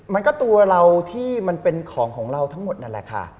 มันก็ตัวเราที่มันเป็นของของเราทั้งหมดนั่นแหละค่ะ